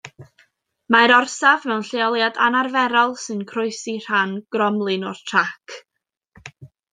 Mae'r orsaf mewn lleoliad anarferol sy'n croesi rhan gromlin o'r trac.